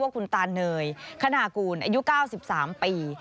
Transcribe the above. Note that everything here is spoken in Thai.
คุณตาเึยขนาดกูรอายุ๙๓ปี